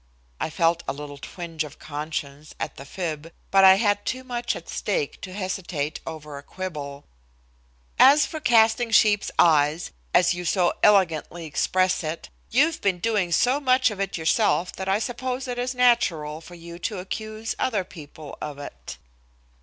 I felt a little twinge of conscience at the fib, but I had too much at stake to hesitate over a quibble. "As for casting sheep's eyes, as you so elegantly express it, you've been doing so much of it yourself that I suppose it is natural for you to accuse other people of it."